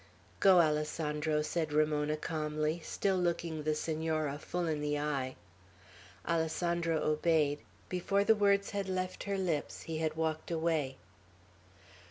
"Go, Alessandro," said Ramona, calmly, still looking the Senora full in the eye. Alessandro obeyed; before the words had left her lips, he had walked away.